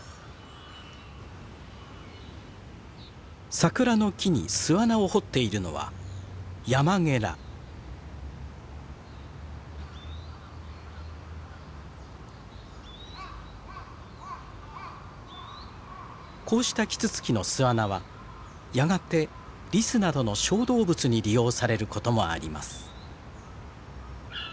桜の木に巣穴を掘っているのはこうしたキツツキの巣穴はやがてリスなどの小動物に利用されることもあります。